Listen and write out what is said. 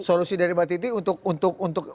solusi dari mbak titi untuk